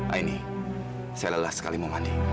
aini saya lelah sekali mau mandi